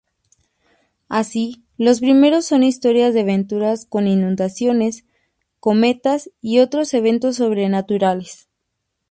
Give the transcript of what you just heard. Así, los primeros son historias de aventuras con inundaciones, cometas y otros eventos sobrenaturales.